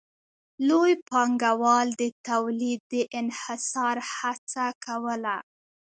لوی پانګوال د تولید د انحصار هڅه کوله